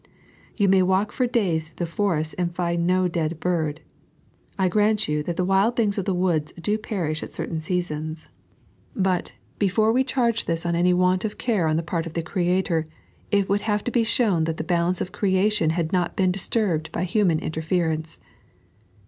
You may walk for days through the forests and find no dead bird. I grant you that the wild things of the woods do perish at certain 3.n.iized by Google 158 Thb Lbsson of Bibds and Flowers. wasons ; but, before we chai^ this on any want of care on the part of the Creator, it would have to be shown that the balance of creation had not been disturbed by human inter ferenoe.